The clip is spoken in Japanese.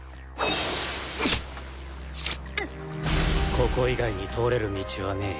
ここ以外に通れる道はねえ。